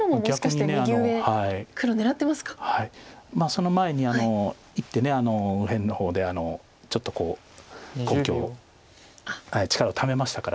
その前に１手右辺の方でちょっとこう根拠を力をためましたから。